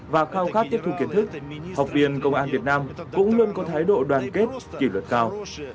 và khao khát tiếp thu kiến thức học viên công an việt nam cũng luôn có thái độ đoàn kết kỷ luật cao